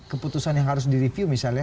keputusan yang harus direview misalnya